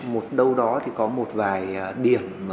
một đâu đó thì có một vài điểm